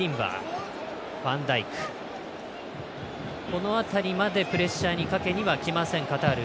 この辺りまでプレッシャーはかけにきませんカタール。